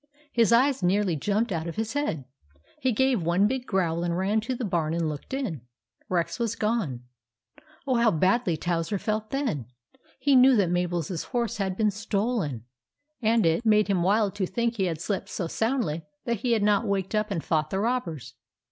His eyes nearly jumped out of his head. He gave one big growl and ran to the barn and looked in. Rex was gone. Oh, how badly Towser felt then ! He knew that Mabel's horse had been stolen, and it THE ROBBERS 51 made him wild to think he had slept so soundly that he had not waked up and fought the robbers.